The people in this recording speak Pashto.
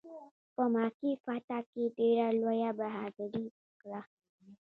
په مکې فتح کې ډېره لویه بهادري وکړه.